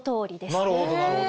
なるほどなるほど。